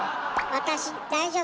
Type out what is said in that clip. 私大丈夫。